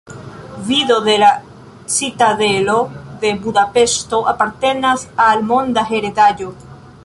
Vido de la Citadelo de Budapeŝto apartenas al Monda Heredaĵo.